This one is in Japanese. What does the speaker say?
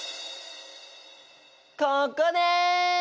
ここです！